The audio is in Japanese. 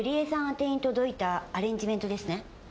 あてに届いたアレンジメントですね？